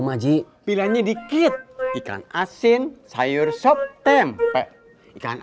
more ska sesuaikan